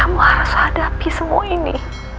kamu harus hadapi semua ini